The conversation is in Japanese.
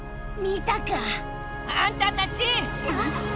みたか！あんたたち！